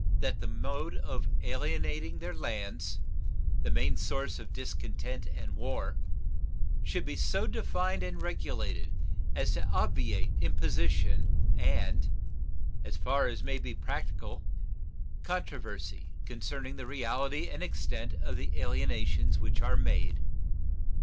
That the mode of alienating their lands, the main source of discontent and war, should be so defined and regulated as to obviate imposition and as far as may be practicable controversy concerning the reality and extent of the alienations which are made.